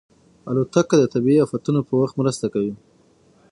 الوتکه د طبیعي افتونو په وخت مرسته کوي.